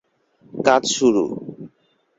কাজ শুরু।